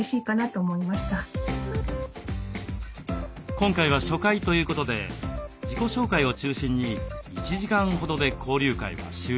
今回は初回ということで自己紹介を中心に１時間ほどで交流会は終了しました。